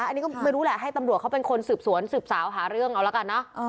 อันนี้ก็ไม่รู้แหละให้ตำรวจเขาเป็นคนสืบสวนสืบสาวหาเรื่องเอาละกันเนอะ